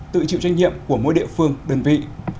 tự chịu trách nhiệm của mỗi địa phương đơn vị